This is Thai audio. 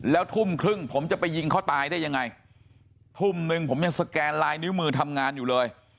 แล้วทุ่มครึ่งผมจะไปยิงเขาตายได้ยังไงทุ่มนึงผมยังสแกนลายนิ้วมือทำงานอยู่เลย